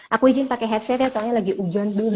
aku izin pakai headset ya soalnya lagi hujan dulu